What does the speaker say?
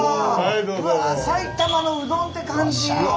埼玉のうどんって感じ。